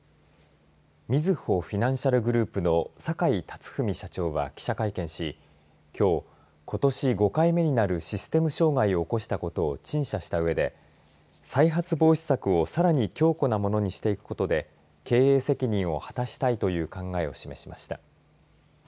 みずほフィナンシャルグループの坂井辰史社長は記者会見しきょう、ことし５回目になるシステム障害を起こしたことを陳謝したうえで再発防止策をさらに強固なものにしていくことで経営責任を果たしたいという考えを示しました。